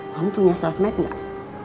kamu punya sosmed gak